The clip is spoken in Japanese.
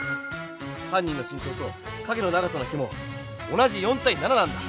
犯人の身長と影の長さの比も同じ４対７なんだ！